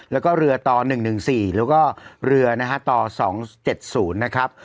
แล้วก็เรือต่อหนึ่งหนึ่งสี่แล้วก็เรือนะฮะต่อสองเจ็ดศูนย์นะครับ